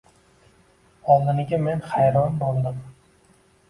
Oldiniga men hayron boʻldim.